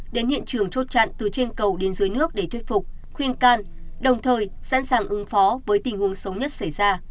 đến hiện trường chốt chặn từ trên cầu đến dưới nước để thuyết phục khuyên can đồng thời sẵn sàng ứng phó với tình huống xấu nhất xảy ra